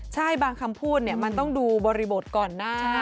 ใช่บางคำพูดมันต้องดูบริบทก่อนหน้า